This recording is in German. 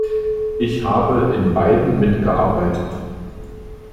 Ich habe in beiden mitgearbeitet.